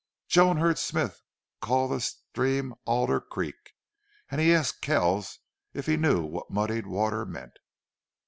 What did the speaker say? Joan heard Smith call the stream Alder Creek, and he asked Kells if he knew what muddied water meant.